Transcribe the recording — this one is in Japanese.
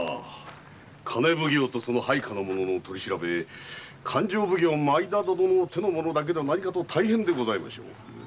金奉行とその配下の者の取り調べ勘定奉行・前田殿の手の者だけでは何かと大変でございましょう。